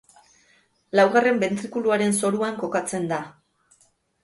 Laugarren bentrikuluaren zoruan kokatzen da.